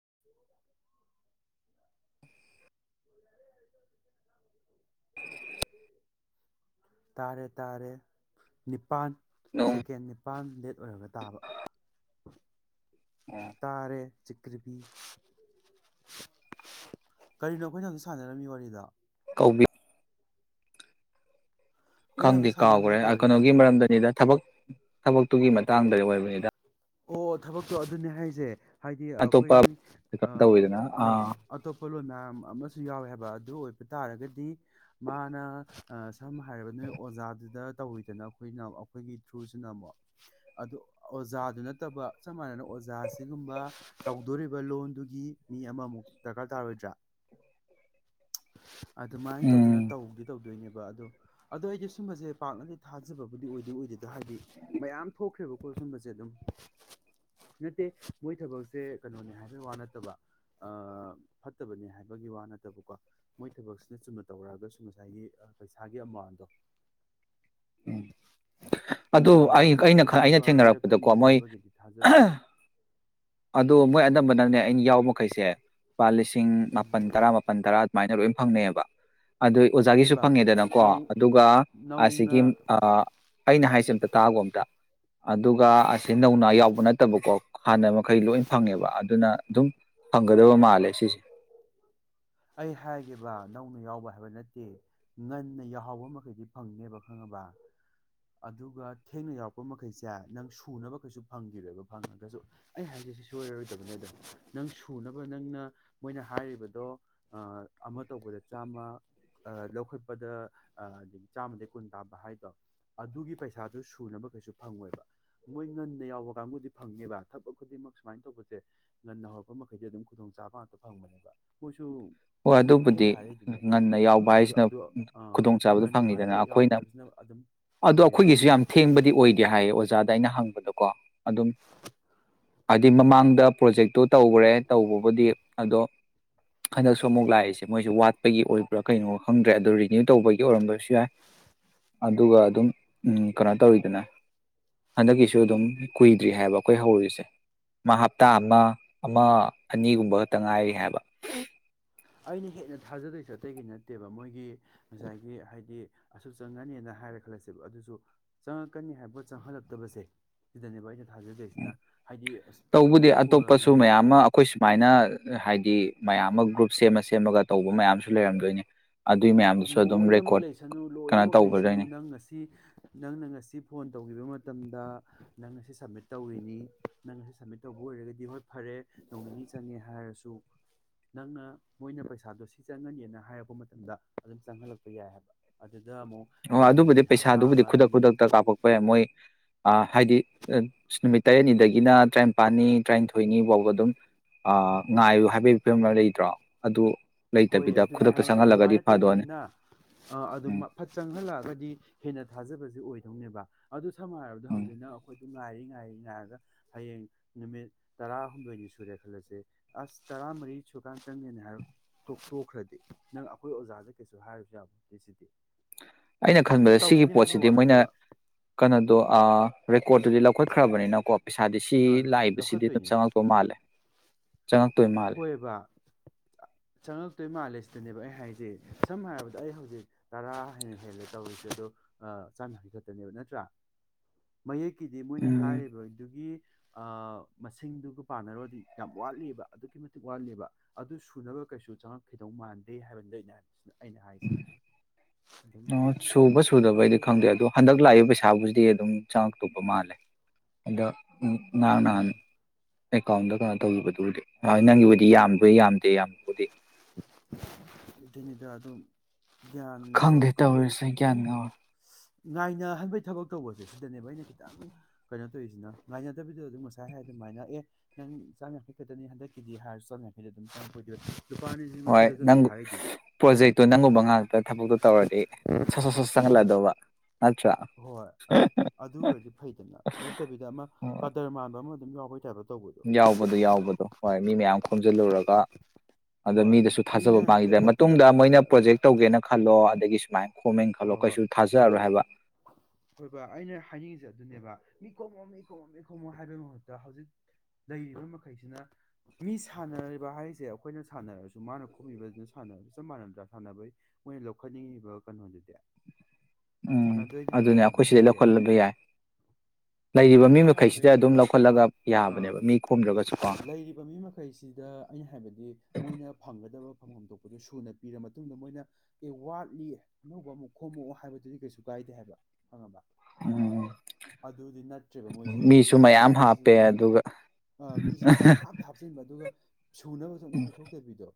[inaudible] [unintelligible] ꯇꯥꯔꯦ ꯇꯥꯔꯦ ꯅꯤꯞ ꯅꯤꯄꯥꯟ ꯅꯣꯡ ꯁꯦꯀꯦꯟꯒꯤ ꯄꯥꯝ ꯂꯦꯠ ꯑꯣꯏꯔꯒ ꯇꯥꯕ [inaudible] ꯇꯥꯔꯦ ꯆꯤꯛ ꯀꯔꯤꯅꯣ ꯑꯩꯈꯣꯏꯅ ꯍꯧꯖꯤꯛ ꯁꯥꯟꯅꯔꯝꯃꯤ ꯋꯥꯔꯤꯗꯣ? ꯇꯧꯕꯤ ꯑꯩꯈꯣꯏꯅ ꯈꯪꯗꯦ ꯍꯧꯖꯤꯛ ꯁꯥꯟꯅꯔꯝꯃꯤꯗꯣ ꯀꯥꯎꯈ꯭ꯔꯦ ꯀꯩ ꯋꯥꯔꯤꯅꯣ ꯀꯩꯅꯣꯒꯤ ꯃꯔꯝꯗꯅꯤꯗ ꯊꯕꯛ ꯊꯕꯛꯇꯨꯒꯤ ꯃꯇꯥꯡꯗꯗꯤ ꯑꯣꯏꯕꯅꯤꯗ ꯑꯣ ꯊꯕꯛꯇꯣ ꯑꯗꯨꯅꯦ ꯍꯥꯏꯁꯦ ꯍꯥꯏꯗꯤ ꯑꯇꯣꯞꯄ ꯑꯩꯈꯣꯏ ꯀꯩꯅꯣ ꯇꯧꯋꯤꯗꯅ ꯑꯥ ꯑꯇꯣꯞꯄ ꯂꯣꯟ ꯃꯌꯥꯝ ꯑꯃꯁꯨ ꯌꯥꯎꯋꯦ ꯍꯥꯏ ꯑꯗꯨ ꯑꯣꯏꯕ ꯇꯥꯔꯒꯗꯤ ꯃꯥꯅ ꯁꯝꯅ ꯍꯥꯏꯔꯕ ꯅꯣꯏ ꯑꯣꯖꯥꯗꯨꯗ ꯇꯧꯋꯤꯗꯅ ꯑꯩꯈꯣꯏꯅ ꯑꯩꯈꯣꯏꯒꯤ ꯊ꯭ꯔꯨꯁꯤꯅ ꯑꯃꯨꯛ ꯑꯗꯨ ꯑꯣꯖꯥꯗꯨꯅ ꯇꯕ ꯆꯞ ꯃꯥꯟꯅꯅ ꯑꯣꯖꯥ ꯁꯤꯒꯨꯝꯕ ꯇꯧꯗꯣꯔꯤꯕ ꯂꯣꯟꯗꯨꯒꯤ ꯃꯤ ꯑꯃꯃꯨꯛ ꯗꯔꯀꯥꯔ ꯇꯥꯔꯣꯏꯗ꯭ꯔꯥ ꯑꯗꯨꯃꯥꯏꯅ ꯇꯧꯗꯅ ꯎꯝ ꯇꯧꯗꯤ ꯇꯧꯗꯣꯏꯅꯦꯕ ꯑꯗꯣ ꯑꯗꯣ ꯑꯩꯗꯤ ꯁꯨꯝꯕꯁꯦ ꯄꯥꯛꯅꯗꯤ ꯊꯥꯖꯕꯕꯨꯗꯤ ꯑꯣꯏꯗꯣꯏ ꯑꯣꯏꯗꯦꯗ ꯍꯥꯏꯗꯤ ꯃꯌꯥꯝ ꯊꯣꯛꯈ꯭ꯔꯦꯕꯀꯣ ꯁꯨꯝꯕꯁꯦ ꯑꯗꯨꯝ ꯅꯠꯇꯦ ꯃꯣꯏ ꯊꯕꯛꯁꯦ ꯀꯩꯅꯣꯅꯦ ꯍꯥꯏꯕꯒꯤ ꯋꯥ ꯅꯠꯇꯕ ꯑ ꯐꯠꯇꯕꯅꯤ ꯍꯥꯏꯕꯒꯤ ꯋꯥ ꯅꯠꯇꯕꯀꯣ ꯃꯣꯏ ꯊꯕꯛꯁꯤꯅ ꯆꯨꯝꯅ ꯇꯧꯔꯛꯑꯒꯁꯨ ꯉꯁꯥꯏꯒꯤ ꯄꯩꯁꯥꯒꯤ ꯑꯃꯥꯎꯟꯗꯣ ꯎꯝ ꯑꯗꯨ ꯑꯩ ꯑꯗꯨꯃꯥꯏꯅ ꯑꯩꯅ ꯑꯩꯅ ꯁꯨꯅꯕ ꯊꯦꯡꯅꯔꯛꯄꯗꯀꯣ ꯄꯤꯔꯛꯀꯅꯤ ꯃꯣꯏ ꯍꯥꯏꯕꯒꯤꯗꯤ ꯊꯥꯖꯗꯦꯕ ꯑꯍꯧꯝ ꯑꯗꯣ ꯃꯣꯏ ꯑꯅꯝꯕꯅꯅꯦ ꯑꯩꯅ ꯌꯥꯎꯕ ꯃꯈꯩꯁꯦ ꯄꯥꯠ ꯁꯤꯡ ꯎꯝ ꯃꯥꯄꯜ ꯇꯔꯥ ꯃꯥꯄꯜ ꯇꯔꯥ ꯁꯨꯃꯥꯏꯅ ꯂꯣꯏ ꯐꯪꯅꯩꯕ ꯑꯗꯨ ꯑꯣꯖꯥꯒꯤꯁꯨ ꯍꯣꯏꯕ ꯐꯪꯉꯦꯗꯅꯀꯣ ꯅꯧ ꯑꯗꯨꯒ ꯅꯧꯅ ꯑꯁꯤꯒꯤ ꯑꯩꯅ ꯍꯥꯏꯁꯦ ꯑꯝꯇ ꯇꯥꯕ ꯑꯝꯇ ꯑꯗꯨꯒ ꯑꯁꯤ ꯅꯧꯅꯥ ꯌꯥꯎꯕ ꯅꯠꯇꯕꯀꯣ ꯍꯥꯟꯅ ꯃꯈꯩ ꯂꯣꯏ ꯐꯪꯉꯦꯕ ꯑꯗꯨꯅ ꯑꯗꯨꯝ ꯐꯪꯒꯗꯕ ꯃꯥꯜꯂꯦ ꯁꯤꯁꯦ ꯑꯩ ꯍꯥꯏꯒꯦꯕ ꯅꯧꯅ ꯌꯥꯎꯕ ꯍꯥꯏꯕ ꯅꯠꯇꯦ ꯉꯟꯅ ꯌꯥꯎꯍꯕ ꯃꯈꯩꯗꯤ ꯐꯪꯅꯦꯕ ꯈꯪꯉꯕ ꯑꯗꯨꯒ ꯊꯦꯡꯅ ꯌꯥꯎꯔꯛꯄ ꯃꯈꯩꯁꯦ ꯅꯪ ꯁꯨꯅꯕꯈꯩꯁꯨ ꯐꯪꯈꯤꯔꯣꯏꯕ ꯐꯪꯉꯒꯁꯨ ꯑꯩ ꯍꯥꯏꯔꯤꯁꯤ ꯁꯣꯏꯔꯔꯣꯏꯗꯕꯅꯤꯗ ꯅꯪ ꯁꯨꯅꯕ ꯅꯪꯅ ꯃꯣꯏꯅ ꯍꯥꯏꯔꯤꯕꯗꯣ ꯑꯃ ꯇꯧꯕꯗ ꯆꯥꯝꯃ ꯂꯧꯈꯠꯄꯗ ꯑꯗꯒꯤ ꯆꯥꯝꯃꯗꯒꯤꯩ ꯀꯨꯟ ꯇꯥꯕ ꯍꯥꯏꯗꯣ ꯑꯗꯨꯒꯤ ꯄꯩꯁꯥꯁꯨ ꯁꯨꯅꯕ ꯀꯩꯁꯨ ꯐꯪꯉꯦꯕ ꯃꯣꯏ ꯉꯟꯅ ꯌꯥꯎꯕ ꯀꯥꯡꯕꯨꯗꯤ ꯐꯪꯉꯦꯕ ꯊꯕꯛ ꯈꯨꯗꯤꯡꯃꯛ ꯁꯨꯃꯥꯏꯅ ꯇꯧꯕꯁꯦ ꯉꯟꯅ ꯍꯧꯔꯛꯄ ꯃꯈꯩꯗꯤ ꯑꯗꯨꯝ ꯈꯨꯗꯣꯡꯆꯥꯥꯕ ꯉꯥꯛꯇ ꯐꯪꯕꯅꯦꯕ ꯃꯣꯏꯁꯨ ꯍꯣꯏ ꯑꯗꯨꯝ ꯑꯗꯨꯕꯨꯗꯤ ꯊꯦꯡꯅ ꯍꯥꯏꯔꯛꯏꯗꯨꯅꯦ ꯉꯟꯅ ꯌꯥꯎꯕ ꯑꯗꯨ ꯍꯥꯏꯁꯤꯅ ꯑꯗꯣ ꯈꯨꯗꯣꯡꯆꯥꯕꯗꯨꯣ ꯉꯟꯅ ꯐꯪꯉꯤꯗꯅ ꯍꯥꯏꯕ ꯌꯥꯎꯕ ꯑꯩꯈꯣꯏꯅ ꯍꯥꯏꯕꯁꯤꯅ ꯑꯗꯨꯝ ꯑꯗꯣ ꯐꯪꯅꯦꯕ ꯑꯩꯈꯣꯏꯒꯤꯁꯨ ꯌꯥꯝ ꯊꯦꯡꯕꯗꯤ ꯑꯣꯏꯗꯦ ꯍꯥꯏꯌꯦ ꯑꯣꯖꯥ ꯑꯩꯅ ꯍꯪꯕꯗꯀꯣ ꯑꯗꯨꯝ ꯍꯥꯏꯗꯤ ꯃꯃꯥꯡꯗ ꯄ꯭ꯔꯣꯖꯦꯛꯇꯣ ꯇꯧꯈ꯭ꯔꯦ ꯇꯧꯕꯕꯨꯗꯤ ꯑꯗꯣ ꯍꯟꯗꯛꯁꯨ ꯑꯃꯨꯛ ꯂꯥꯛꯏꯁꯦ ꯃꯣꯏꯁꯨ ꯋꯥꯠꯄꯒꯤ ꯑꯣꯏꯕ꯭ꯔꯥ ꯀꯩꯅꯣ ꯈꯪꯗ꯭ꯔꯦ ꯑꯗꯣ ꯔꯤꯅ꯭ꯌꯨ ꯇꯧꯕꯒꯤ ꯑꯣꯏꯔꯝꯕꯁꯨ ꯌꯥꯏ ꯑꯗꯨꯒ ꯑꯗꯨꯝ ꯎꯝ ꯀꯩꯅꯣ ꯇꯧꯔꯤꯗꯅ ꯍꯟꯗꯛꯀꯤꯁꯨ ꯑꯗꯨꯝ ꯀꯨꯏꯗ꯭ꯔꯤ ꯍꯥꯏꯕ ꯑꯩꯈꯣꯏ ꯍꯧꯔꯨꯔꯤꯁꯦ ꯃꯥ ꯍꯞꯇꯥ ꯑꯃ ꯑꯃ ꯑꯅꯤꯒꯨꯝꯕ ꯈꯛꯇ ꯉꯥꯏꯔꯤ ꯍꯥꯏꯕ ꯑꯩꯅ ꯍꯦꯟꯅ ꯊꯥꯖꯗꯣꯏꯁꯦ ꯑꯇꯩꯒꯤ ꯅꯠꯇꯦꯕ ꯃꯣꯏꯒꯤ ꯉꯁꯥꯏꯒꯤ ꯍꯥꯏꯗꯤ ꯑꯁꯨꯛ ꯆꯪꯉꯅꯤꯅ ꯍꯥꯏꯔꯦ ꯈꯜꯂꯁꯦꯕ ꯑꯗꯨꯁꯨ ꯆꯪꯉꯛꯀꯅꯤ ꯍꯥꯏꯕꯣꯠ ꯆꯪꯍꯜꯂꯛꯇꯕꯁꯦ ꯁꯤꯗꯅꯦꯕ ꯑꯩꯅ ꯊꯥꯖꯗꯣꯏꯁꯤꯅ ꯍꯥꯏꯗꯤ ꯑꯁ ꯎ ꯇꯧꯕꯗꯤ ꯄꯣ ꯑꯇꯣꯞꯄꯁꯨ ꯅꯨꯃꯤꯠ ꯃꯌꯥꯝ ꯑꯃ ꯑꯩꯈꯣꯏ ꯁꯨꯃꯥꯏꯅ ꯍꯥꯏꯗꯤ ꯃꯌꯥꯝ ꯑꯃ ꯒ꯭ꯔꯨꯞ ꯁꯦꯝꯃ ꯁꯦꯝꯃꯒ ꯇꯧꯕ ꯃꯌꯥꯝꯁꯨ ꯂꯩꯔꯝꯗꯣꯏꯅꯤ ꯑꯗꯨꯏ ꯃꯌꯥꯝꯗꯨꯁꯨ ꯑꯗꯨꯝ ꯂꯣꯏꯅꯃꯛ ꯔꯦꯀꯣꯔꯠ ꯂꯩꯁꯅꯨ ꯀꯩꯅꯣ ꯂꯣꯏꯅꯃꯛ ꯂꯩꯁꯅꯨ ꯇꯧꯒꯗꯣꯏꯅꯤ ꯅꯪ ꯉꯁꯤ ꯅꯪꯅ ꯉꯁꯤ ꯐꯣꯟ ꯇꯧꯈꯤꯕ ꯃꯇꯝꯗ ꯅꯪ ꯑꯁꯤ ꯁꯞꯃꯤꯠ ꯇꯧꯔꯤꯅꯤ ꯅꯪ ꯑꯁꯤ ꯁꯞꯃꯤꯠ ꯇꯧꯕ ꯑꯣꯏꯔꯒꯗꯤ ꯍꯣꯏ ꯐꯔꯦ ꯅꯣꯡ ꯅꯤꯅꯤ ꯆꯪꯉꯦ ꯍꯥꯏꯔꯁꯨ ꯅꯪꯅ ꯃꯣꯏꯅ ꯄꯩꯁꯥꯗꯣ ꯁꯤ ꯆꯪꯉꯅꯤꯅ ꯍꯥꯏꯔꯛꯄ ꯃꯇꯝꯗ ꯑꯗꯨꯝ ꯆꯪꯍꯜꯂꯛꯄ ꯌꯥꯏ ꯍꯥꯏꯕ ꯑꯗꯨꯗ ꯑꯃꯨꯛ ꯑꯣ ꯍꯥꯏꯗꯤ ꯑꯗꯨꯕꯨꯗꯤ ꯅꯨꯃꯤꯠ ꯍꯞꯇꯥ ꯄꯩꯁꯥꯗꯨꯕꯨꯗꯤ ꯑꯃ ꯈꯨꯗꯛ ꯑꯅꯤ ꯈꯨꯗꯛꯇ ꯀꯥꯞꯄꯛꯄ ꯌꯥꯏ ꯃꯣꯏ ꯍꯥꯏꯗꯤ ꯅꯨꯃꯤꯠ ꯇꯔꯦꯠꯅꯤꯗꯒꯤꯅ ꯇꯔꯥꯅꯤꯄꯥꯜꯅꯤ ꯇꯔꯥꯅꯤꯊꯣꯏꯅꯤ ꯐꯥꯎꯕ ꯑꯗꯨꯝ ꯉꯥꯏꯌꯨ ꯍꯥꯏꯕꯒꯤ ꯐꯤꯕꯝ ꯑꯃ ꯂꯩꯇ꯭ꯔꯣ ꯑꯗꯨ ꯍꯣꯏ ꯂꯩꯇꯕꯤꯗ ꯑꯗꯨꯅꯦ ꯈꯨꯗꯛꯇ ꯍꯥꯏꯔꯤꯁꯦ ꯆꯪꯍꯜꯂꯒꯗꯤ ꯑꯗꯨꯃꯥꯏꯅ ꯐꯗꯣꯏꯅꯦ ꯇꯧꯕꯅꯤꯅ ꯑ ꯑꯗꯨꯝ ꯎꯝ ꯐꯠ ꯆꯪꯍꯜꯂꯛ ꯀꯗꯤ ꯍꯦꯟꯅ ꯊꯥꯖꯕꯁꯦ ꯑꯣꯏꯗꯧꯅꯦꯕ ꯑꯗꯨ ꯁꯝꯅ ꯍꯥꯏꯔꯕꯗ ꯎꯝ ꯍꯧꯖꯤꯛꯅ ꯑꯩꯈꯣꯏꯗ ꯉꯥꯏꯔꯤ ꯉꯥꯏꯔꯤ ꯉꯥꯏꯔꯒ ꯍꯌꯦꯡ ꯅꯨꯃꯤꯠ ꯇꯔꯥꯍꯨꯝꯗꯣꯏꯅꯤ ꯁꯨꯔꯦ ꯈꯜꯂꯁꯦ ꯑꯁ ꯇꯔꯥꯃꯔꯤ ꯁꯨꯔꯀꯥꯟꯗ ꯆꯪꯒꯦꯅ ꯍꯥꯏꯔ ꯇꯣꯛ ꯇꯣꯛꯈ꯭ꯔꯗꯤ ꯅꯪ ꯑꯩꯈꯣꯏ ꯑꯣꯖꯥꯗ ꯀꯩꯁꯨ ꯍꯥꯏꯔꯁꯨ ꯌꯥꯕ ꯁꯤꯗꯤ ꯑꯩꯅ ꯈꯟꯕꯗ ꯁꯤꯒꯤ ꯇꯧꯅꯤ ꯍꯥꯏꯕ ꯄꯣꯠꯁꯤꯗꯤ ꯋꯥ ꯃꯣꯏꯅ ꯅꯠꯇꯕ ꯀꯩꯅꯣꯗꯣ ꯔꯦꯀꯣꯔꯠꯇꯨꯗꯤ ꯂꯧꯈꯠ ꯈꯔꯕꯅꯤꯅ ꯅ ꯀꯣ ꯄꯩꯁꯥꯗꯤ ꯁꯤ ꯂꯥꯛꯏꯕꯁꯤꯗꯤ ꯑꯗꯨꯝ ꯂꯧꯈꯠꯇꯣꯏꯅꯦ ꯆꯪꯉꯛꯄ ꯃꯥꯜꯂꯦ ꯆꯪꯉꯛꯇꯣꯏ ꯃꯥꯜꯂꯦ ꯍꯣꯏꯕ ꯆꯪꯉꯛꯇꯣꯏ ꯃꯥꯜꯂꯦ ꯁꯤꯗꯅꯦꯕ ꯑꯩ ꯍꯥꯏꯁꯦ ꯁꯝꯅ ꯍꯥꯏꯔꯕꯗ ꯑꯩ ꯍꯧꯖꯤꯛ ꯇꯔꯥ ꯍꯦꯟꯅ ꯍꯦꯜꯂꯦ ꯇꯧꯔꯤꯁꯦ ꯑꯗꯣ ꯆ ꯍ ꯈꯠꯇꯅꯦꯕ ꯅꯠꯇ꯭ꯔꯥ ꯃꯌꯦꯛ ꯀꯤꯗꯤ ꯃꯣꯏꯅ ꯎꯝ ꯍꯥꯏꯔꯤꯕ ꯑꯗꯨꯒꯤ ꯑ ꯃꯁꯤꯡꯗꯨꯒ ꯄꯥꯟꯅꯔꯨꯔꯗꯤ ꯌꯥꯝ ꯋꯥꯠꯂꯤꯕ ꯋꯥꯠꯂꯦꯕ ꯑꯗꯨ ꯁꯨꯅꯕ ꯀꯩꯁꯨ ꯆꯪꯉꯛꯈꯤꯗꯧ ꯃꯥꯟꯗꯦ ꯍꯥꯏꯕꯅꯤꯗ ꯑꯩꯅ ꯍꯥꯏꯅꯤꯡ ꯑꯗꯨꯝ ꯑꯣ ꯁꯨꯕ ꯁꯨꯗꯕ ꯑꯩꯗꯤ ꯈꯪꯗꯦ ꯑꯗꯣ ꯍꯟꯗꯛ ꯂꯥꯛꯏ ꯄꯩꯁꯥꯕꯨ ꯗꯤ ꯑꯗꯨꯝ ꯆꯥꯛ ꯇꯨꯕ ꯃꯥꯜꯂꯦ ꯑꯗꯣ ꯎꯝ ꯎꯝ ꯅꯥꯅꯤ [unintelligible] ꯑꯦꯀꯥꯎꯟꯗ ꯀꯅꯥ ꯇꯧꯔꯨꯒꯗꯧꯔꯤꯒꯦꯍꯣꯢ ꯅꯪꯒꯤꯕꯨꯗꯤ ꯌꯥꯝꯗꯤ ꯌꯥꯝꯗꯦ ꯌꯥꯝꯕꯨꯗꯤ ꯑꯗꯨꯅꯤꯗ ꯑꯗꯨꯝ ꯒ꯭ꯌꯥꯟꯗꯣ ꯈꯪꯗꯦ ꯇꯧꯔꯤꯁꯦ ꯒ꯭ꯌꯥꯟ ꯑꯗꯨꯝ ꯉꯥꯎꯔꯦ ꯉꯥꯏꯅꯍꯟꯕꯩ ꯊꯕꯛ ꯇꯧꯕꯁꯦ ꯁꯤꯗꯅꯦꯕ ꯑꯩꯅ ꯈꯤꯇꯪ ꯀꯩꯅꯣ ꯇꯧꯔꯤꯁꯤꯅ ꯉꯥꯏꯅꯗꯕꯤꯗ ꯑꯗꯨꯝ ꯉꯁꯥꯏ ꯍꯥꯏꯔ ꯑꯗꯨꯝ ꯃꯥꯏꯅ ꯑꯦ ꯅꯪ ꯆꯥꯝ ꯌꯥꯡꯈꯩ ꯈꯛꯇꯅꯤ ꯍꯟꯗꯛꯀꯤꯗꯤ ꯍꯥꯏꯔꯁꯨ ꯆꯥꯝ ꯌꯥꯡꯈꯩꯗ ꯑꯗꯨꯝ ꯆꯥꯝꯄ ꯑꯣꯏꯗꯣꯏ ꯍꯣꯏ ꯅꯪ ꯄ꯭ꯔꯣꯖꯦꯛꯇꯣ ꯅꯪꯒꯨꯝꯕ ꯉꯥꯛꯇ ꯊꯕꯛꯇꯣ ꯇꯧꯔꯗꯤ ꯁꯠ ꯁꯠ ꯁꯠ ꯁꯠꯅ ꯂꯣꯢꯗꯧꯕ ꯍꯣꯏ ꯑꯗꯨ ꯑꯗꯨ ꯑꯣꯏꯔꯗꯤ ꯐꯩꯗꯅ ꯅꯠꯇꯕꯤꯗ ꯑꯃ ꯍꯣꯏ ꯀꯗꯔ ꯃꯥꯟꯕ ꯑꯃ [unintelligible] ꯌꯥꯎꯕꯗꯣ ꯌꯥꯎꯕꯗꯣ ꯍꯣꯏ ꯃꯤ ꯃꯌꯥꯝ ꯈꯣꯝꯖꯜꯂꯨꯔꯒ ꯑꯗꯣ ꯍꯣꯏ ꯃꯤꯗꯁꯨ ꯊꯥꯖꯕ ꯃꯤꯅ ꯍꯦꯛꯇ ꯃꯥꯡꯈꯤꯗ꯭ꯔꯦ ꯇꯠꯇꯅ ꯃꯇꯨꯡꯗ ꯃꯣꯏꯅ ꯄ꯭ꯔꯣꯖꯦꯛ ꯇꯧꯒꯦꯅ ꯈꯜꯂꯣ ꯇꯒꯤ ꯁꯃꯥꯏ ꯈꯣꯃꯦꯅ ꯈꯜꯂꯣ ꯀꯩꯁꯨ ꯊꯥꯖꯔꯔꯣꯏ ꯍꯥꯏꯕ ꯍꯣꯏꯕ ꯑꯩꯅ ꯍꯥꯏꯅꯤꯡꯉꯤꯁꯦ ꯑꯗꯨꯅꯦꯕ ꯃꯤ ꯀꯣꯝꯃꯝ ꯃꯤ ꯀꯣꯝꯃꯣꯝ ꯃꯤ ꯈꯣꯝꯃꯣꯝ ꯍꯥꯏꯕꯒꯤ ꯃꯍꯨꯠꯇ ꯍꯧꯖꯤꯛ ꯂꯩꯔꯤꯕ ꯃꯈꯩꯁꯤꯅ ꯃꯤ ꯁꯥꯟꯅꯔꯤꯕ ꯍꯥꯏꯁꯦ ꯑꯩꯈꯣꯏꯅ ꯁꯥꯟꯅꯔꯁꯨ ꯃꯥꯅ ꯈꯣꯝꯃꯤꯕꯗꯨꯅ ꯁꯥꯟꯅꯔꯁꯨ ꯆꯞ ꯃꯥꯟꯅꯝꯗ꯭ꯔꯥ ꯁꯥꯟꯅꯕ ꯃꯣꯏꯅ ꯂꯧꯈꯠꯅꯤꯡꯉꯤꯕ ꯀꯩꯅꯣꯗꯨꯗꯤ ꯎꯝ ꯁꯥꯟꯅꯗꯣꯏꯅꯦ ꯍꯥꯏꯕ ꯑꯗꯨꯅꯦ ꯑꯗꯨꯝ ꯑꯩꯈꯣꯏ ꯁꯤꯗꯩ ꯃꯤꯁꯦ ꯂꯧꯈꯠꯂꯕ ꯌꯥꯏ ꯑꯥ ꯂꯩꯔꯤꯕ ꯃꯤ ꯑꯗꯨꯝ ꯃꯈꯩꯁꯤꯗ ꯁꯥꯟꯅꯗꯣꯏꯅꯦ ꯑꯗꯨꯝ ꯍꯥꯏꯕ ꯂꯧꯈꯠꯂꯒ ꯑꯥ ꯌꯥꯕꯅꯦꯕ ꯃꯤ ꯈꯣꯝꯗ꯭ꯔꯒꯁꯨ ꯀꯣ ꯂꯩꯔꯤꯕ ꯃꯤ ꯃꯈꯩꯁꯤꯗ ꯑꯩꯅ ꯍꯥꯏꯕꯗꯤ ꯃꯣꯏꯅ ꯐꯪꯒꯗꯕ ꯐꯝꯐꯝꯗ ꯊꯣꯛꯄꯗꯨ ꯁꯨꯅ ꯄꯤꯔ ꯃꯇꯨꯡꯗ ꯃꯣꯏꯅ ꯑꯦ ꯋꯥꯠꯂꯤ ꯑꯅꯧꯕ ꯑꯃꯨꯛ ꯈꯣꯝꯃꯛꯛꯑꯣ ꯍꯥꯏꯕꯗꯨꯗꯤ ꯀꯩꯁꯨ ꯀꯥꯏꯗꯦ ꯍꯥꯏꯕ ꯈꯪꯉꯕ ꯑꯗꯨꯗꯤ ꯅꯠꯇ꯭ꯔꯦꯕ ꯃꯣꯏꯁꯤꯗꯤ ꯃꯤꯁꯨ ꯃꯌꯥꯝ ꯑꯅꯧꯕꯁꯤꯁꯨ ꯍꯥꯞꯄꯦ ꯑꯗꯨꯝ ꯑꯗꯨꯒ ꯃꯤꯁꯤꯅ ꯄꯪꯍꯥꯞꯇ ꯍꯥꯞꯆꯤꯟꯕ ꯑꯗꯨꯒ ꯁꯨꯅꯕꯁꯨ ꯑꯝꯇ ꯄꯤꯊꯣꯛꯇꯕꯤꯗꯣ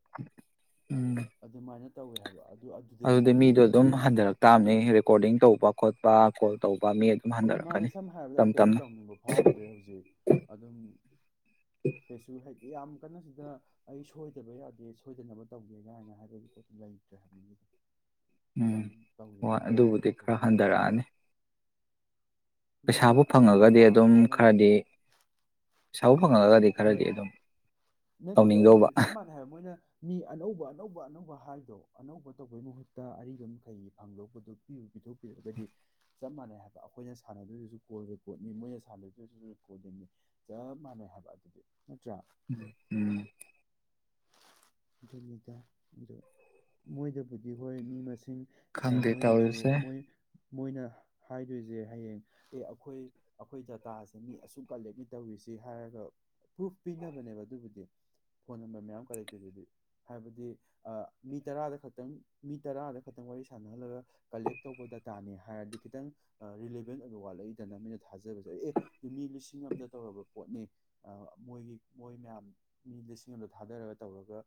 ꯑꯗꯨꯃꯥꯏꯅ ꯇꯧꯋꯦ ꯍꯥꯏꯕ ꯑꯗꯨ ꯑꯗꯨꯗꯤ ꯑꯗꯨꯗꯅꯤꯗ ꯑꯩꯅ ꯃꯤꯗꯣ ꯈꯤꯇꯪ ꯑꯗꯨꯝ ꯃꯣꯏꯒꯤꯁꯦ ꯍꯟꯊꯔꯛ ꯇꯥꯕꯅꯦ ꯔꯦꯀꯣꯔꯗꯤꯡ ꯇꯧꯕ ꯇꯧꯕ ꯈꯣꯠꯄ ꯀꯣꯜ ꯇꯧꯕ ꯃꯤ ꯃꯥꯅꯦ ꯍꯟꯊꯔꯛꯀꯅꯤ ꯁꯝꯅ ꯍꯥꯏꯔꯕꯗ ꯇꯞ ꯑꯩ ꯀꯩꯁꯨ ꯇꯞꯅ ꯇꯧꯅꯤꯡꯕ ꯐꯥꯎꯗ꯭ꯔꯦ ꯍꯧꯖꯤꯛ ꯑꯗꯨꯝ ꯀꯩꯁꯨ ꯍꯦꯛ ꯌꯥꯝ ꯀꯟꯅ ꯁꯤꯗ ꯑꯩ ꯁꯣꯏꯗꯕ ꯌꯥꯗꯦ ꯁꯣꯏꯗꯅꯕ ꯇꯧꯒꯦ ꯀꯥꯏꯅ ꯍꯥꯏꯕꯒꯤ ꯄꯣꯠꯇꯣ ꯂꯩꯇ꯭ꯔꯦ ꯍꯥꯏꯕꯅꯤ ꯎꯝ ꯍꯣꯏ ꯍꯥꯏꯗꯨꯅꯦꯕ ꯑꯗꯨꯕꯨꯗꯤ ꯈꯔ ꯀꯩꯁꯨ ꯍꯟꯊꯔꯛꯑꯅꯤ ꯑꯗꯨꯅ ꯄꯩꯁꯥꯕꯨ ꯑꯩꯅ ꯐꯪꯉꯒꯗꯤ ꯑꯗꯨꯝ ꯄꯥꯝꯃꯤꯁꯤꯅ ꯈꯔꯗꯤ ꯄꯩꯁꯥꯕꯨ ꯐꯪꯉꯒꯗꯤ ꯈꯔꯗꯤ ꯍꯣꯏ ꯑꯗꯨꯝ ꯅꯠꯇꯗ ꯑꯩꯅ ꯇꯧꯅꯤꯡꯗꯧꯕ ꯆꯞ ꯃꯥꯟꯅꯩ ꯍꯥꯏꯕ ꯃꯣꯏꯅ ꯃꯤ ꯑꯅꯧꯕ ꯑꯅꯧꯕ ꯑꯅꯧꯕ ꯍꯥꯏꯗꯣ ꯑꯅꯧꯕ ꯇꯧꯕꯩ ꯃꯍꯨꯠꯇ ꯑꯔꯤꯕ ꯃꯈꯈꯩ ꯐꯪꯗꯧꯕꯗꯨ ꯄꯤꯊꯣꯛꯄꯤꯔꯒꯗꯤ ꯆꯞ ꯃꯥꯟꯅꯩ ꯍꯥꯏꯕ ꯑꯩꯈꯣꯏꯅ ꯁꯥꯟꯅꯗꯣꯏꯗꯨꯁꯨ ꯀꯣꯜ ꯔꯦꯀꯣꯔꯠꯅꯤ ꯃꯣꯏꯅ ꯁꯥꯟꯅꯗꯣꯏꯁꯨ ꯔꯦꯀꯣꯔꯗꯤꯡꯅꯤ ꯆꯞ ꯃꯥꯟꯅꯩ ꯍꯥꯏꯕ ꯑꯗꯨꯗꯤ ꯅꯠꯇ꯭ꯔꯥ ꯎꯝ ꯑꯗꯨꯅꯤꯗ ꯑꯗꯨ ꯃꯣꯏꯗꯕꯨꯗꯤ ꯍꯣꯏ ꯃꯤ ꯃꯁꯤꯡ ꯈꯪꯗꯦ ꯃꯣꯏꯅꯁꯨ ꯇꯧꯔꯤꯁꯦ ꯃꯣꯏ ꯃꯣꯏꯅ ꯍꯥꯏꯗꯣꯏꯁꯦ ꯍꯌꯦꯡ ꯑꯦ ꯑꯩꯈꯣꯏ ꯑꯩꯈꯣꯏ ꯗꯗꯥꯇꯥꯁꯦ ꯃꯤ ꯑꯁꯨꯛ ꯀꯂꯦꯛꯂꯤ ꯇꯧꯔꯤꯁꯤ ꯍꯥꯏꯔꯒ ꯄ꯭ꯔꯨꯐ ꯄꯤꯅꯕꯅꯦꯕ ꯑꯗꯨꯕꯨꯗꯤ ꯐꯣꯟ ꯅꯝꯕꯔ ꯃꯌꯥꯝ ꯍꯥꯏꯕꯗꯤ ꯑ ꯃꯤ ꯇꯔꯥꯗ ꯈꯇꯪ ꯃꯤ ꯇꯔꯥꯗ ꯈꯇꯪ ꯋꯥꯔꯤ ꯁꯅꯍꯟꯂꯒ ꯀꯂꯦꯛ ꯇꯧꯕ ꯗꯇꯥꯅꯦ ꯍꯥꯏꯔꯗꯤ ꯈꯤꯇꯪ ꯔꯤꯂꯤꯚꯦꯟ ꯑꯣꯏꯕ ꯋꯥꯠꯂꯛꯏꯗꯅ ꯃꯤꯅ ꯊꯥꯖꯕꯁꯦ ꯑꯦ ꯃꯤ ꯂꯤꯁꯤꯡ ꯑꯃꯗ ꯇꯧꯔꯕ ꯄꯣꯠꯅꯤ ꯃꯣꯏꯒꯤ ꯃꯣꯏ ꯃꯌꯥꯝ ꯃꯤ ꯂꯤꯁꯤꯡ ꯑꯃꯗ ꯊꯥꯗꯔꯒ ꯇꯧꯔꯒ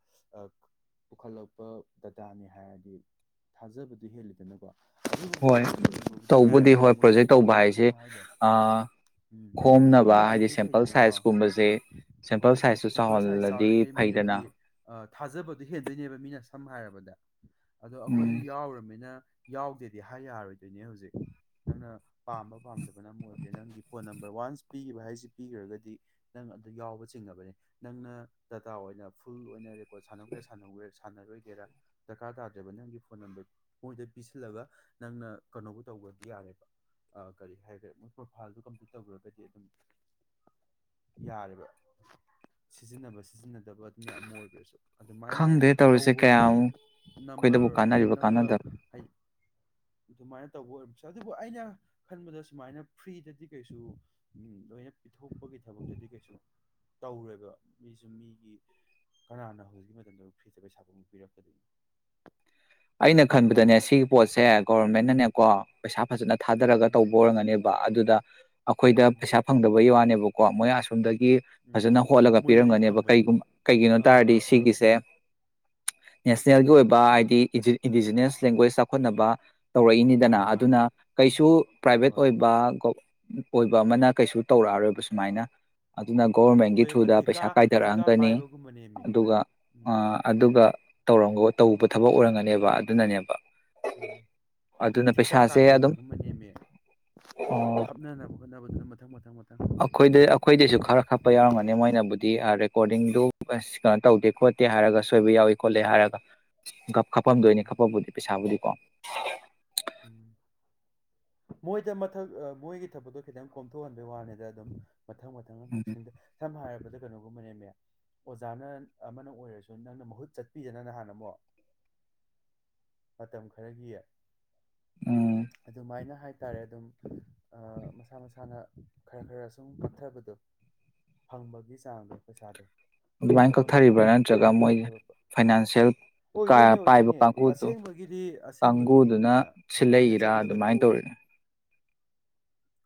ꯄꯨꯈꯠꯂꯛꯄ ꯗꯇꯥꯅꯤ ꯍꯥꯏꯔꯗꯤ ꯊꯥꯖꯕꯗꯨ ꯍꯦꯜꯂꯤꯗꯅꯀꯣ ꯍꯣꯏ ꯑꯗꯨꯒꯨꯝꯕꯕꯨꯗꯤ ꯇꯧꯕꯗꯤ ꯌꯥꯏꯑꯕꯀꯣ ꯍꯣꯏ ꯃꯣꯏꯅ ꯄ꯭ꯔꯣꯖꯦꯛ ꯃꯤ ꯇꯧꯕ ꯈꯣꯝꯃꯣ ꯍꯥꯏꯁꯦ ꯈꯣꯝꯃꯣ ꯍꯥꯏꯗꯣ ꯎꯝ ꯃꯤ ꯈꯣꯝꯅꯕ ꯍꯥꯏꯗꯤ ꯌꯥꯝꯃꯤꯈꯩ ꯁꯦꯝꯄꯜ ꯐꯩꯗꯅꯀꯣ ꯁꯥꯏꯖꯀꯨꯝꯕꯁꯦ ꯁꯦꯝꯄꯜ ꯍꯣꯏ ꯁꯥꯏꯖꯇꯨ ꯁꯦꯝꯄꯜ ꯁꯥꯏꯖ ꯆꯥꯎꯍꯜꯂꯗꯤ ꯆꯥꯎꯔꯤꯈꯩ ꯐꯩꯗꯅ ꯃꯣꯏꯗꯗꯤ ꯊꯥꯖꯕꯗꯣ ꯍꯦꯟꯗꯣꯏꯅꯦꯕ ꯃꯤꯅ ꯁꯝꯅ ꯍꯥꯏꯔꯕꯗ ꯑꯗꯣ ꯑꯩꯈꯣꯏꯁꯨ ꯎꯝ ꯌꯥꯎꯔꯅꯤꯅ ꯌꯥꯎꯗꯦꯗꯤ ꯍꯥꯏ ꯌꯥꯔꯣꯏꯗꯣꯏꯅꯦ ꯍꯧꯖꯤꯛ ꯅꯪꯅ ꯄꯥꯝꯕ ꯄꯥꯝꯗꯕꯅ ꯑꯃ ꯑꯣꯏꯈ꯭ꯔꯦ ꯅꯪꯒꯤ ꯐꯣꯟ ꯅꯝꯕꯔ ꯋꯥꯟꯁ ꯄꯤꯈꯤꯕ ꯍꯥꯏꯁꯤ ꯄꯤꯈ꯭ꯔꯒꯗꯤ ꯅꯪ ꯑꯗꯨ ꯌꯥꯎꯕ ꯆꯤꯡꯉꯕꯅꯦ ꯅꯪꯅ ꯗꯇꯥ ꯑꯣꯏꯅ ꯐꯨꯜ ꯑꯣꯏꯅ ꯔꯦꯀꯣꯔꯠ ꯁꯥꯟꯅꯒꯦꯔ ꯁꯥꯟꯅ ꯁꯥꯟꯅꯔꯣꯏꯒꯦꯔꯥ ꯗꯔꯀꯥꯔ ꯇꯥꯗ꯭ꯔꯦꯕ ꯅꯪꯒꯤ ꯐꯣꯟ ꯅꯝꯕꯔ ꯃꯣꯏꯗ ꯄꯤꯁꯤꯜꯂꯒ ꯅꯪꯅ ꯀꯩꯅꯣꯕꯨ ꯇꯧꯕꯗꯤ ꯌꯥꯔꯦꯕ ꯀꯔꯤ ꯍꯥꯏꯈ꯭ꯔꯦ ꯃꯣꯏ ꯄ꯭ꯔꯣꯐꯥꯏꯜꯗꯣ ꯀꯝꯄ꯭ꯂꯤꯠ ꯇꯧꯈ꯭ꯔꯒꯗꯤ ꯑꯗꯨꯝ ꯌꯥꯔꯦꯕ ꯁꯤꯖꯤꯟꯅꯕ ꯁꯤꯖꯤꯟꯅꯗꯕ ꯑꯃ ꯑꯣꯏꯈꯔꯁꯨ ꯑꯗꯨꯃꯥꯏꯅ ꯈꯪꯗꯦ ꯇꯧꯔꯤꯁꯦ ꯀꯌꯥꯝ ꯇꯧꯕꯒꯤ ꯑꯩꯈꯣꯏꯗꯕꯨ ꯅꯝꯕꯔ ꯀꯥꯟꯅꯔꯤꯕ ꯍꯦꯟꯅꯕ ꯀꯥꯟꯅꯗꯕ ꯍꯥꯏꯗꯤ ꯑꯗꯨꯃꯥꯏꯅ ꯇꯧꯕ ꯑꯣꯏꯔꯝꯕꯁ ꯑꯗꯨꯕꯨ ꯑꯩꯅ ꯈꯟꯕꯗ ꯁꯨꯃꯥꯏꯅ ꯐ꯭ꯔꯤꯗꯗꯤ ꯀꯩꯁꯨ ꯂꯣꯏꯅ ꯄꯤꯊꯣꯛꯄꯒꯤ ꯊꯕꯛꯇꯗꯤ ꯀꯩꯁꯨ ꯇꯧꯔꯦꯕ ꯃꯤꯁꯨ ꯃꯤꯒꯤ ꯀꯅꯥꯅꯣ ꯍꯧꯖꯤꯛꯀꯤ ꯃꯇꯝꯗ ꯐ꯭ꯔꯤꯁ ꯄꯩꯁꯥ ꯑꯃꯨꯛ ꯄꯤꯔꯛ ꯀꯗꯣꯏꯅꯣ ꯑꯩꯅ ꯈꯟꯕꯗꯅꯦ ꯁꯤꯒꯤ ꯄꯣꯠꯁꯦ ꯒꯣꯔꯃꯦꯟꯅꯅꯦꯀꯣ ꯄꯩꯁꯥ ꯐꯖꯅ ꯊꯥꯗꯔꯒ ꯎꯝ ꯇꯧꯕ ꯑꯣꯏꯔꯝꯒꯅꯦꯕ ꯑꯗꯨꯗ ꯑꯩꯈꯣꯏꯗ ꯎꯝ ꯄꯩꯁꯥ ꯐꯪꯗꯕꯩ ꯋꯥꯅꯦꯕꯀꯣ ꯀꯣ ꯃꯣꯏꯌꯥ ꯑꯁꯣꯝꯗꯒꯤ ꯒꯤ ꯎꯝ ꯐꯖꯅ ꯍꯣꯠꯂꯒ ꯃꯣꯏꯗꯗꯤ ꯄꯤꯔꯝꯒꯅꯦꯕ ꯐꯪꯕꯗꯣ ꯀꯩꯒꯨꯝ ꯀꯩꯒꯤꯅꯣ ꯑꯥ ꯇꯥꯔꯗꯤ ꯑꯥ ꯑꯥ ꯁꯤꯒꯤꯁꯦ ꯅꯦꯁꯅꯦꯜꯒꯤ ꯑꯣꯏꯕ ꯍꯥꯏꯗꯤ ꯏꯟꯗꯤꯖꯤꯅ꯭ꯌꯁ ꯂꯦꯡꯒ꯭ꯋꯦꯖ ꯆꯥꯎꯈꯠꯅꯕ ꯇꯧꯔꯛꯏꯅꯤꯗꯅ ꯃꯥꯅꯦ ꯑꯗꯨꯅ ꯃꯥꯅꯦ ꯀꯩꯁꯨ ꯄ꯭ꯔꯥꯏꯚꯦꯠ ꯍꯣꯏ ꯑꯣꯏꯕ ꯑꯣꯏꯕ ꯑꯃꯅ ꯀꯩꯁꯨ ꯇꯧꯔꯛꯑꯔꯣꯏꯕ ꯁꯨꯃꯥꯏꯅ ꯑꯗꯨꯅ ꯒꯣꯚꯔꯃꯦꯟꯒꯤ ꯍꯣꯏꯕ ꯊ꯭ꯔꯨꯗ ꯊꯤꯀꯥ ꯄꯩꯁꯥ ꯊꯤꯀꯥ ꯀꯥꯏꯊꯔꯛꯑꯟꯒꯅꯤ ꯄꯥꯏꯕꯒꯨꯝꯕꯅꯦꯃꯦ ꯑꯗꯨꯒ ꯎꯝ ꯑꯥ ꯑꯗꯨꯒ ꯇꯧꯔꯝꯒ ꯇꯧꯕ ꯊꯕꯛ ꯑꯣꯏꯔꯝꯒꯅꯤ ꯅꯦꯕ ꯑꯗꯨꯅꯅꯦꯕ ꯎ ꯑꯗꯨꯅ ꯊꯤꯀꯥ ꯄꯩꯁꯥꯁꯦ ꯑꯗꯨꯝ ꯀꯥꯏꯗꯕꯒꯨꯝꯕ ꯅꯦꯝꯃꯦ ꯑ, ꯈꯞꯅꯅꯕ ꯍꯣꯠꯅꯕꯗꯨꯅ ꯃꯊꯪ ꯃꯊꯪ ꯃꯊꯪ ꯑꯩꯈꯣꯏꯗ ꯑꯩꯈꯣꯏꯗꯁꯨ ꯈꯔ ꯈꯞꯄ ꯌꯥꯎꯔꯝꯒꯅꯤ ꯃꯣꯏꯅꯕꯨꯗꯤ ꯀꯣꯔꯗꯤꯡꯗꯨ ꯀꯩꯅꯣ ꯇꯧꯗꯦ ꯈꯣꯠꯇꯦ ꯍꯥꯏꯔꯒ ꯁꯣꯏꯕ ꯌꯥꯎꯏꯤ ꯈꯣꯠꯂꯦ ꯍꯥꯏꯔꯒ ꯈꯞꯐꯝꯝꯗꯣꯏꯅꯤ ꯎꯝ ꯈꯞꯄꯕꯨꯗꯤ ꯄꯩꯁꯥꯕꯨꯗꯤꯀꯣ ꯍ ꯎꯝ ꯃꯣꯏꯗ ꯃꯊꯛ ꯃꯣꯏꯒꯤ ꯊꯕꯛꯇꯣ ꯈꯤꯇꯪ ꯀꯣꯝꯊꯣꯛꯍꯟꯕꯩ ꯋꯥꯅꯤꯗ ꯑꯗꯨꯝ ꯃꯊꯪ ꯃꯊꯪ ꯎꯝ ꯅꯨꯡꯗ ꯁꯝꯅ ꯍꯥꯏꯔꯕꯗ ꯀꯩꯅꯣꯒꯨꯝꯕꯅꯦꯃꯦ ꯑꯣꯖꯥꯅ ꯑꯃꯅ ꯑꯣꯏꯔꯁꯨ ꯅꯪꯅ ꯃꯍꯨꯠ ꯆꯠꯄꯤꯗꯅ ꯅꯍꯥꯟꯅ ꯑꯃꯨꯛ ꯃꯇꯝ ꯈꯔꯒꯤ ꯎꯝ ꯑꯗꯨꯃꯥꯏꯅ ꯍꯥꯏ ꯍꯥꯏꯇꯥꯔꯦ ꯑꯗꯨꯝ ꯃꯁꯥ ꯃꯁꯥꯅ ꯈꯔ ꯈꯔ ꯁꯨꯝ ꯀꯛꯊꯕꯗꯣ ꯐꯪꯕꯒꯤ ꯆꯥꯡꯗꯣ ꯄꯩꯁꯥꯗꯣ ꯑꯗꯨꯃꯥꯏꯅ ꯊꯕꯛꯅꯦ ꯀꯣꯝ ꯀꯛꯊꯔꯤꯕ꯭ꯔꯥ ꯀꯣꯝꯊꯣꯔꯛꯄ ꯅꯠꯇ꯭ꯔꯒ ꯁꯨꯝ ꯃꯣꯏ ꯀꯣꯝꯊꯂꯛꯄ ꯐꯥꯏꯅꯥꯟꯁꯤꯌꯦꯜ ꯑꯣꯏꯗꯣꯏꯅꯦ ꯄꯥꯏꯕ ꯑꯣꯏꯗꯣꯏꯅꯦ ꯑꯁꯦꯡꯕꯒꯤꯗꯤ ꯑꯁꯦꯡꯕꯒꯤ ꯑꯗꯨꯅ ꯁꯤ ꯂꯩꯔꯥ ꯑꯗꯨꯃꯥꯏꯅ ꯇꯧꯔꯤꯅꯦ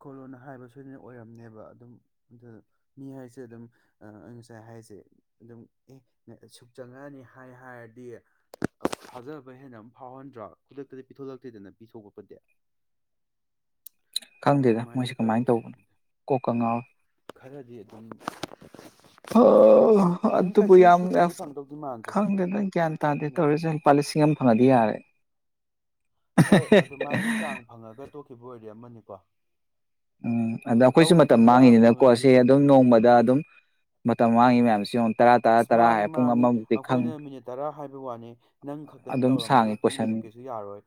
ꯀꯣꯂꯣꯅ ꯍꯥꯏꯕ ꯁꯣꯏꯗꯅ ꯑꯣꯏꯔꯝꯅꯦꯕ ꯑꯗꯨꯝ ꯑꯗꯨ ꯃꯤ ꯍꯥꯏꯁꯦ ꯑꯗꯨꯝ ꯉꯁꯥꯏ ꯍꯥꯏꯁꯦ ꯑꯗꯨꯝ ꯑꯦ ꯁꯨꯛ ꯆꯪꯉꯛꯅꯤ ꯍꯥꯏ ꯍꯥꯏꯔꯗꯤ ꯊꯥꯖꯕ ꯍꯦꯟꯅ ꯑꯃ ꯐꯥꯎꯍꯟꯗ꯭ꯔꯣ ꯈꯨꯗ ꯛꯇꯗꯤ ꯄꯤꯊꯣꯂꯛꯇꯦꯗꯅ ꯄꯤ ꯁꯣꯛꯄꯠꯄꯗꯤꯦ ꯈꯪꯗꯦꯗ ꯃꯣꯏꯁꯦ ꯀꯃꯥꯏꯅ ꯇꯧꯕꯅꯣ ꯀꯣꯛꯀ ꯉꯥꯎꯋ ꯈꯔꯗꯤ ꯑꯗꯨꯝ ꯑꯗꯨꯝ ꯑꯗꯨꯕꯨ ꯀꯩꯁꯨ ꯌꯥꯝ ꯁꯨꯅꯗꯤ ꯐꯪꯗꯧꯗꯤ ꯃꯥꯟꯗ꯭ꯔꯦ ꯈꯪꯗꯦꯗ ꯒ꯭ꯌꯥꯟ ꯇꯥꯗꯦ ꯑꯩꯅ ꯇꯧꯔꯤꯁꯦ ꯈꯟꯕ ꯂꯨꯄꯥ ꯂꯤꯁꯤꯡ ꯑꯃ ꯐꯪꯉꯗꯤ ꯌꯥꯔꯦ ꯍꯣꯏ ꯑꯗꯨꯃꯥꯏꯒꯤ ꯆꯥꯡ ꯐꯪꯉꯒ ꯇꯣꯛꯈꯤꯕ ꯑꯣꯏꯔꯦ ꯑꯃꯅꯤꯀꯣ ꯎꯝ ꯑꯗ ꯑꯩꯈꯣꯏꯁꯨ ꯃꯇꯝ ꯇꯧꯔꯤꯗꯨꯒ ꯃꯥꯡꯉꯤꯅꯤꯅꯀꯣ ꯁꯤ ꯐꯪꯉꯛꯏꯗꯨꯒ ꯑꯗꯨꯝ ꯅꯣꯡꯃꯗ ꯑꯗꯨꯝ ꯃꯡꯉꯤ ꯃꯌꯥꯝꯁꯤ ꯇꯔꯥ ꯇꯔꯥ ꯑꯁ ꯇꯔꯥ ꯃꯥꯡꯉꯤ ꯍꯥꯏꯔ ꯄꯨꯡ ꯃꯥꯡꯉꯤ ꯑꯃꯃꯨꯛꯇꯤ ꯈꯪ ꯑꯩꯈꯣꯏꯅ ꯃꯤꯅꯤꯠ ꯇꯔꯥ ꯍꯥꯏꯕ ꯋꯥꯅꯤ ꯅꯪ ꯈꯛꯇꯪ ꯑꯗꯨꯝ ꯇꯧꯔꯝꯃꯒ ꯁꯥꯡꯉꯤ ꯇꯨꯃꯤꯠ ꯀꯣꯏꯁꯟ ꯂꯩꯊꯣꯛꯀꯦꯁꯨ ꯌꯥꯔꯣꯏ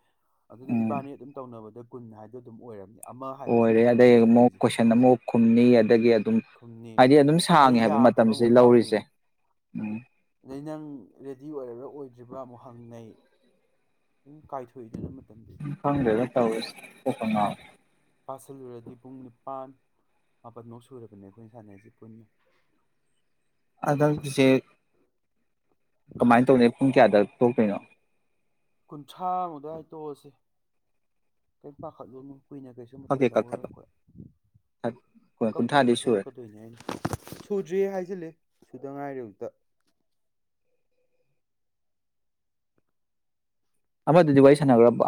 ꯑꯗꯨꯅ ꯎꯝ ꯏꯕꯥꯅꯤ ꯑꯗꯨꯝ ꯇꯧꯅꯕꯗ ꯀꯨꯟ ꯍꯥꯏꯗꯣ ꯑꯗꯨꯝ ꯑꯣꯏꯔꯝꯅꯤ ꯑꯃ ꯍꯥꯏꯕꯁꯤꯗ ꯑꯣꯏꯔꯦ ꯑꯗꯒꯤ ꯀꯨꯟꯅꯤ ꯑꯃꯨꯛ ꯆꯠꯇꯣꯏꯁꯦ ꯀꯣꯏꯁꯟ ꯑꯃꯨꯛ ꯈꯨꯝꯅꯤ ꯑꯗꯒꯤ ꯑꯗꯨꯝ ꯈꯨꯝꯅꯤ ꯍꯥꯏꯗꯤ ꯑꯗꯨꯝ ꯁꯥꯡꯉꯦ ꯑꯗꯩ ꯍꯥꯏꯕ ꯌꯥꯗꯕ ꯃꯇꯝꯁꯦ ꯑꯃꯨꯛ ꯌꯥꯎꯅꯤ ꯂꯧꯔꯤꯁꯦ ꯎꯝ ꯑꯗꯩ ꯅꯪ ꯔꯦꯗꯤ ꯑꯣꯏ꯭ꯔꯥ ꯑꯣꯏꯗꯣꯏ ꯭ꯔꯤꯕ꯭ꯔꯥ ꯑꯃꯨꯛ ꯍꯪꯅꯩ ꯑꯗꯨꯝ ꯀꯥꯏꯊꯣꯛꯏꯗꯨꯅ ꯃꯇꯝ ꯈꯡꯗꯦꯗ ꯇꯧꯔꯤꯁꯦ ꯀꯣꯛꯀꯥ ꯉꯥꯎꯏ ꯆꯁꯤꯜꯂꯨꯔꯗꯤ ꯄꯨꯡ ꯅꯤꯄꯥꯥꯟ ꯃꯥꯄꯜꯃꯨꯛ ꯁꯨꯔꯕꯅꯦ ꯑꯩꯈꯣꯏꯅ ꯁꯥꯟꯅꯩꯁꯤꯦ ꯄꯨꯟꯅ ꯍꯟꯗꯛꯀꯤꯁꯦ ꯀꯃꯥꯏꯅ ꯇꯧꯅꯤ ꯄꯨꯡ ꯀꯌꯥꯗ ꯇ ꯀꯩꯅꯣ ꯀꯨꯟꯊ꯭ꯔꯥꯃꯨꯛꯗꯏ ꯇꯣꯛꯑꯁꯦ ꯀꯔꯤꯝ ꯄꯥꯈꯠꯂꯨꯅꯣ ꯀꯨꯏꯅ ꯀꯩꯁꯨ ꯈꯛ ꯃꯇꯝ ꯍꯦꯛ ꯀꯛꯊꯠꯂꯣ ꯂꯧꯔꯒ ꯀꯛꯄꯨꯗꯤ ꯀꯨꯟꯊ꯭ꯔꯥꯗꯤ ꯁꯨꯔꯦ ꯀꯛꯊꯣꯛꯂꯛꯀꯗꯣꯏꯅꯦ ꯑꯩꯅ ꯁꯨꯗ꯭ꯔꯔꯤ ꯍꯥꯏꯖꯤꯜꯂꯦ ꯁꯨꯗ ꯉꯥꯏꯔꯤ [unintelligible] ꯑꯃꯗꯨꯗꯤ ꯋꯥꯥꯔꯤ ꯁꯥꯅꯒꯔꯕꯣ